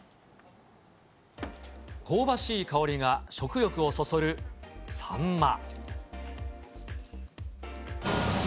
香ばしい香りが食欲をそそるサンマ。